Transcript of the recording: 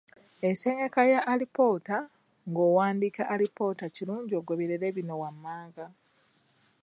Ensengeka ya alipoota, Ng’owandiika alipoota kirungi ogoberere bino wammanga